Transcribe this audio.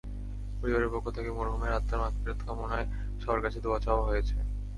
পরিবারের পক্ষ থেকে মরহুমের আত্মার মাগফিরাত কামনায় সবার কাছে দোয়া চাওয়া হয়েছে।